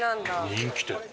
人気店。